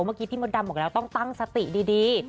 เมื่อกี้พี่มดดำบอกแล้วต้องตั้งสติดี